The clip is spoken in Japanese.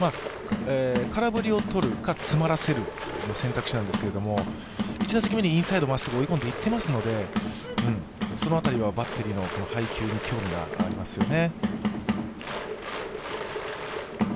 空振りをとるか、詰まらせるかの選択肢なんですが１打席目にインサイドまっすぐ、追いコンでいってますのでその辺りはバッテリーの配球に興味がありますよね。